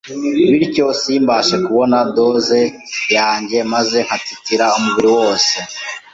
bityo simbashe kubona dose yanjye maze nkatitira umubiri wose.